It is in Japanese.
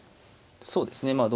そうですね